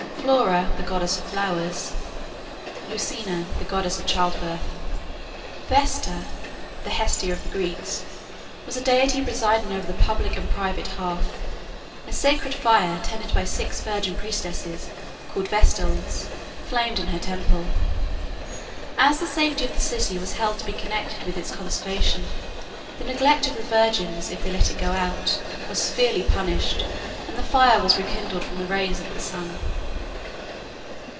Flora, the goddess of flowers. Lucina, the goddess of childbirth. Vesta (the Hestia of the Greeks) was a deity presiding over the public and private hearth. A sacred fire, tended by six virgin priestesses called Vestals, flamed in her temple. As the safety of the city was held to be connected with its conservation, the neglect of the virgins, if they let it go out, was severely punished, and the fire was rekindled from the rays of the sun.